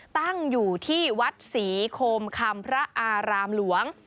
ตั้งอยู่ที่วัดศรีโคมคำพระอารามหลวง